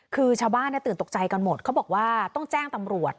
คือชาวบ้านตื่นตกใจกันหมดเขาบอกว่าต้องแจ้งตำรวจ